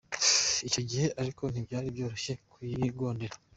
Icyo gihe ariko ntibyari byoroshye kuyigondera.”